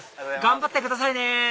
頑張ってくださいね！